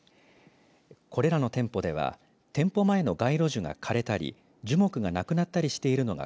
これらの店舗では店舗前の街路樹が枯れたり樹木がなくなったりしているのが